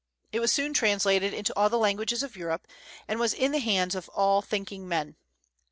It was soon translated into all the languages of Europe, and was in the hands of all thinking men.